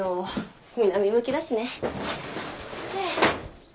南向きだしね。